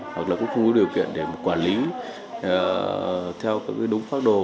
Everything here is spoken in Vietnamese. hoặc là cũng không có điều kiện để quản lý theo các đúng pháp đồ